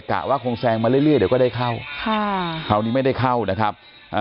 ะว่าคงแซงมาเรื่อยเดี๋ยวก็ได้เข้าค่ะคราวนี้ไม่ได้เข้านะครับอ่า